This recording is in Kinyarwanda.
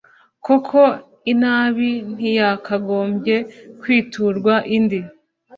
koko inabi ntiyakagombye kwiturwa indi